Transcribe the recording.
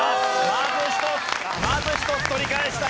まず一つまず一つ取り返した。